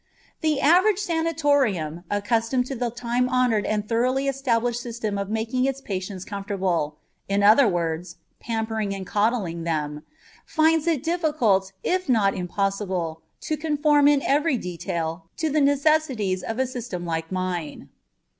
The average sanatorium, accustomed to the time honored and thoroughly established system of making its patients comfortable, in other words, pampering and coddling them, finds it difficult, if not impossible, to conform in every detail to the necessities of a system like mine.